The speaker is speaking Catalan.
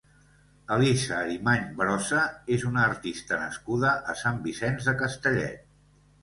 Elisa Arimany Brossa és una artista nascuda a Sant Vicenç de Castellet.